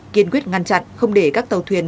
kiên quyết ngăn chặn không để các tàu thuyền